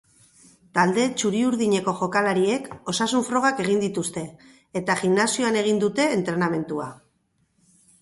Talde txuri-urdineko jokalariek osasun-frogak egin dituzte, eta gimnasioan egin ute entrenamendua.